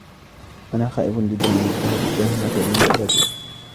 أنا خائف جداً من الذهاب إلى هناك بمفردي.